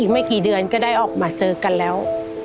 ไม่กี่เดือนก็ได้ออกมาเจอกันแล้ว